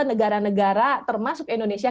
negara negara termasuk indonesia